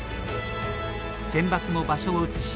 センバツも場所を移し